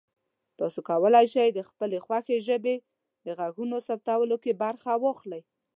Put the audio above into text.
تاسو کولی شئ د خپلې خوښې ژبې د غږونو ثبتولو کې برخه واخلئ.